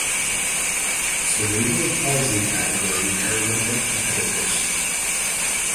Cerebral Palsy category Paralympic competitors